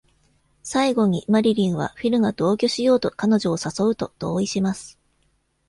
最後に、マリリンはフィルが同居しようと彼女を誘うと同意します。